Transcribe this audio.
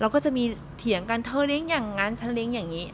ก็จะมีเถียงกันเธอเลี้ยงอย่างนั้นฉันเลี้ยงอย่างนี้